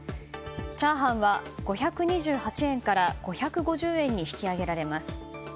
チャーハンは５２８円から５５０円に引き上げられます。